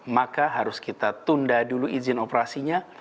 maka harus kita tunda dulu izin operasinya